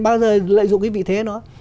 bao giờ lợi dụng cái vị thế nữa